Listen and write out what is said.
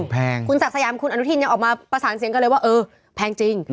แพงคุณศักดิ์สยามคุณอนุทินยังออกมาประสานเสียงกันเลยว่าเออแพงจริง